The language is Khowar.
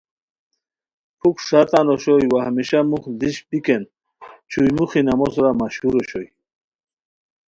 پُھک ݰا تان اوشوئے وا ہمیشہ موخ دیش بیکن چھوئی موخی نامو سورا مشہور اوشوئے